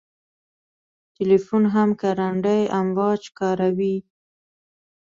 تلیفون هم ګړندي امواج کاروي.